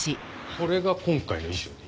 これが今回の衣装ね。